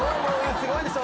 すごいでしょ？